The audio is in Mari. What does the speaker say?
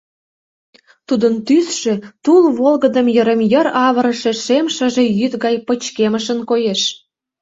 Тудын тӱсшӧ тул волгыдым йырым-йыр авырыше шем шыже йӱд гай пычкемышын коеш.